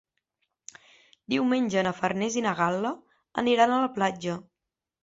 Diumenge na Farners i na Gal·la aniran a la platja.